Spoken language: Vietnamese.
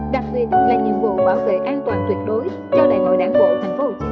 đặc biệt là nhiệm vụ bảo tệ an toàn tuyệt đối cho đại hội đảng bộ tp hcm và đại hội tầng thứ một mươi ba của đảng